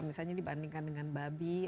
misalnya dibandingkan dengan babi atau dikumpul